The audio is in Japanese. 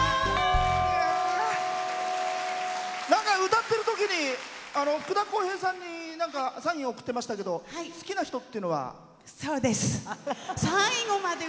歌ってるときに福田こうへいさんにサイン送ってましたけど好きな人っていうのは。